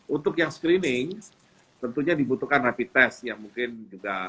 untuk yang screening tentunya dibutuhkan rapid test yang mungkin juga